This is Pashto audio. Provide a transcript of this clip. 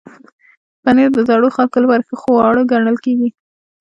پنېر د زړو خلکو لپاره ښه خواړه ګڼل کېږي.